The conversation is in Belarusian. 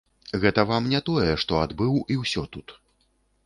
Гэта вам не тое, што адбыў і ўсё тут.